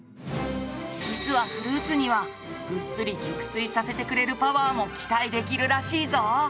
実はフルーツにはぐっすり熟睡させてくれるパワーも期待できるらしいぞ！